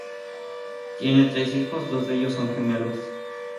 Tienen tres hijos, dos de ellos son gemelos.